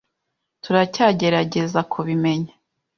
Turacyagerageza kubimenya.